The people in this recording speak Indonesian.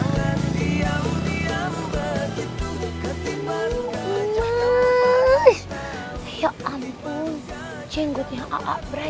mas ya ampun jenggotnya abrak